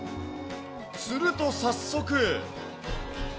すると早速。